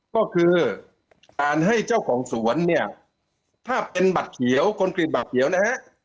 ก็คือการให้เจ้าของสวนเนี่ยถ้าเป็นบัตรเขียวคนกรีตบัตรเขียวนะฮะ